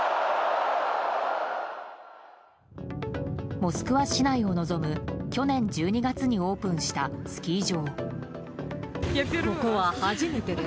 モスクワ市内を臨む去年１２月にオープンしたスキー場。